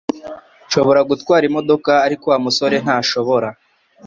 Nshobora gutwara imodoka ariko Wa musore ntashobora